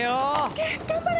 頑張れ！